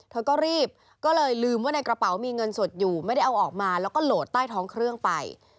เธอก็รีบก็เลยลืมว่าในกระเป๋ามีเงินสดอยู่ไม่ได้เอาออกมาแล้วก็โหลดใต้ท้องเครื่องไป